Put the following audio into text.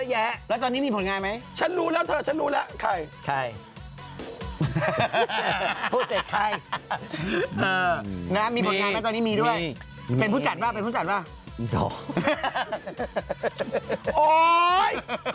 มีบทยานไหมตอนนี้มีด้วยเป็นผู้จัดหรือเป็นผู้จัดหรือ